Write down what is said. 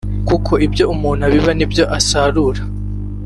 kuko ibyo umuntu abiba ni byo asarura